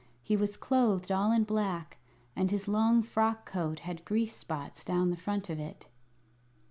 He was clothed all in black, and his long frock coat had grease spots down the front of it.